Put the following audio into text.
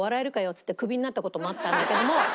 っつってクビになった事もあったんだけども。